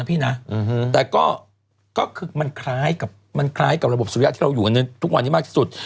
แต่ก็คือมันคล้ายกับระบบสุริยะที่เราอยู่กันทุกวันนี้มากที่สุด